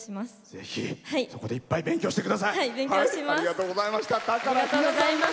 ぜひ、そこでいっぱい勉強してください。